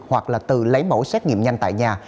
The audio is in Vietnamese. hoặc là tự lấy mẫu xét nghiệm nhanh tại nhà